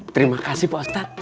terima kasih pak ustadz